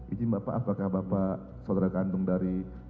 izin bapak apakah bapak saudara kandung dari novi asayoswa